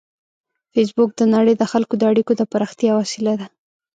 فېسبوک د نړۍ د خلکو د اړیکو د پراختیا وسیله ده